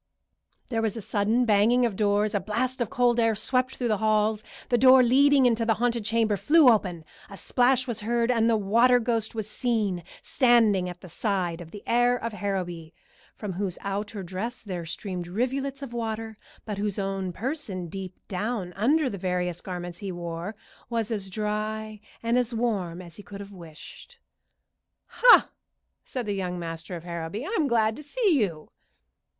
There was a sudden banging of doors, a blast of cold air swept through the halls, the door leading into the haunted chamber flew open, a splash was heard, and the water ghost was seen standing at the side of the heir of Harrowby, from whose outer dress there streamed rivulets of water, but whose own person deep down under the various garments he wore was as dry and as warm as he could have wished. "Ha!" said the young master of Harrowby. "I'm glad to see you."